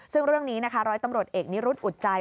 ซึ่งเรื่องนี้นะคะร้อยตำรวจเอกนิรุธอุดใจ